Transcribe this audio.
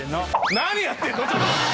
何やってんの？